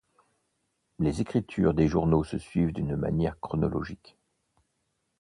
Les écritures des journaux se suivent d'une manière chronologique.